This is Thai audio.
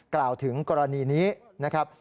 กล่าวถึงกรณีนี้นะครับ